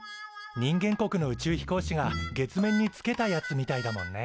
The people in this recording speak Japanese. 人間国の宇宙飛行士が月面につけたやつみたいだもんね。